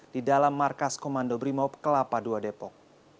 di dalam markas komando brimob kelapa ii depok